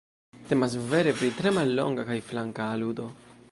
Temas vere pri tre mallonga kaj flanka aludo.